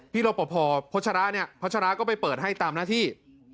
รบพอพัชระเนี่ยพัชราก็ไปเปิดให้ตามหน้าที่